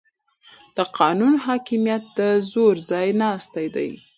د قانون حاکمیت د زور ځای ناستی دی